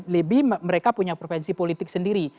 lebih mereka punya frevensi politik sendiri